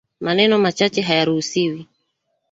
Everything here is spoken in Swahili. Maneno machache hayaruhusiwi